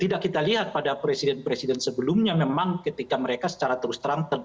tidak kita lihat pada presiden presiden sebelumnya memang ketika mereka secara terus terang